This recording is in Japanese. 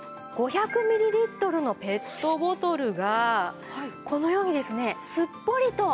５００ミリリットルのペットボトルがこのようにですねすっぽりと入るんです。